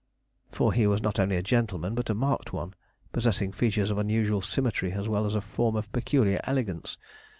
For he was not only a gentleman, but a marked one; possessing features of unusual symmetry as well as a form of peculiar elegance.